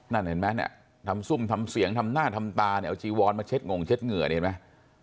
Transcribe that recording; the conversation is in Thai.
นั่นเห็นไหมเนี่ยทำซุ่มทำเสียงทำหน้าทำตาเนี่ยเอาจีวอนมาเช็ดงเช็ดเหงื่อเห็นไหม